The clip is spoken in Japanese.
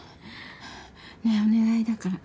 ねえお願いだから